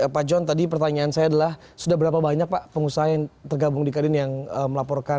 pak john tadi pertanyaan saya adalah sudah berapa banyak pak pengusaha yang tergabung di kadin yang melaporkan